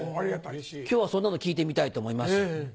今日はそんなのを聞いてみたいと思います。